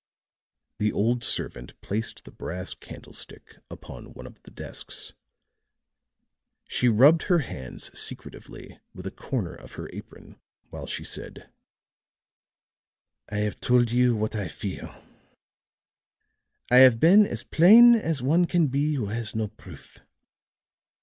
The old servant placed the brass candlestick upon one of the desks; she rubbed her hands secretively with a corner of her apron while she said: "I have told you what I fear; I have been as plain as one can be who has no proof.